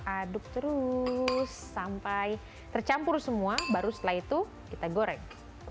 aduk terus sampai tercampur semua baru setelah itu kita goreng